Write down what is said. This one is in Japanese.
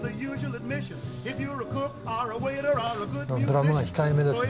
ドラムが控えめですね。